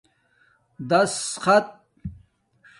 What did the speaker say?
دَشخَت